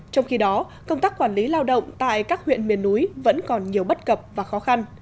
trong khi đó công tác quản lý lao động tại các huyện miền núi vẫn còn nhiều bất cập và khó khăn